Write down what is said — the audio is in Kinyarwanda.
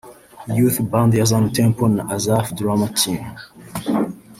Youth Band ya Zion Temple na Asaph Drama Team